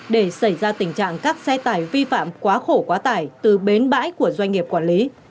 để xảy ra tình trạng các xe tải vi phạm quá khổ quá tải từ bến bãi của doanh nghiệp quản lý